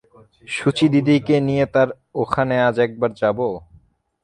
সুচিদিদিকে নিয়ে তাঁর ওখানে আজ একবার যাব?